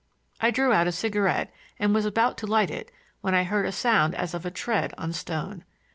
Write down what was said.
I drew out a cigarette and was about to light it when I heard a sound as of a tread on stone.